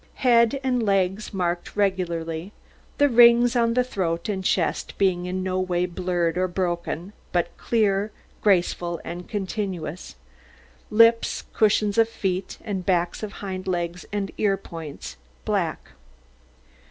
Head and legs marked regularly, the rings on the throat and chest being in no way blurred or broken, but clear, graceful, and continuous; lips, cushions of feet, and backs of hind legs, and the ear points, black.